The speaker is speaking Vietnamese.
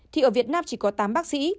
thì ở việt nam chỉ có tám bác sĩ